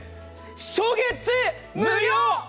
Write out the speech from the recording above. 初月無料！！